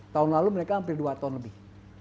tahun lalu mereka hampir dua ton lebih